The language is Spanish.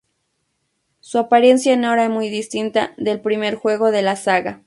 Su apariencia no era muy distinta del primer juego de la saga.